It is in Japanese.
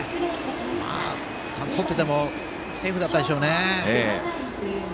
ちゃんととっててもセーフだったでしょうね。